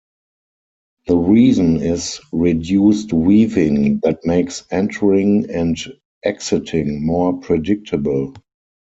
The reason is reduced weaving that makes entering and exiting more predictable.